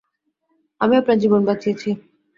আমি আপনার জীবন বাঁচিয়েছি।